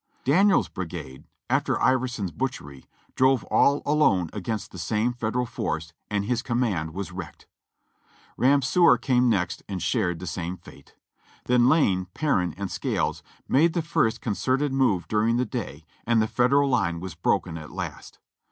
Daniel's brigade, after Iverson's butchery, drove all alone against the same Federal force, and his command was wrecked. Ramseur came next and shared the same fate. Then Lane, Per rin, and Scales made the first concerted move during the day, and the Federal line was broken at last.